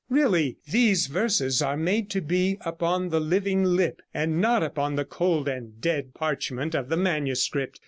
Really these verses are made to be upon the living lip, and not upon the cold and dead parchment of the manuscript.